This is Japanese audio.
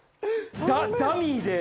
ダミーで。